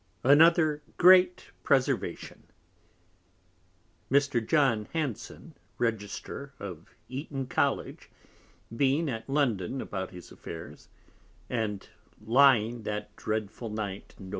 _ Another great Preservation Mr. John Hanson, Register of Eaton College, being at London about his Affairs, and lying that dreadful Night, _Nov.